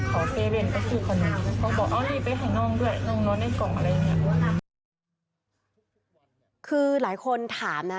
ขอบคุณครับ